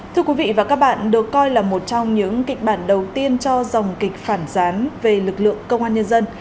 thưa quý vị và các bạn được coi là một trong những kịch bản đầu tiên cho dòng kịch phản gián về lực lượng công an nhân dân